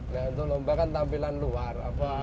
nah untuk lomba kan tampilan luar